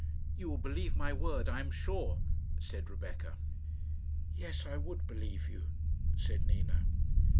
"You will believe my word, I am sure," said Rebecca. "Yes, I would believe you," said Nina.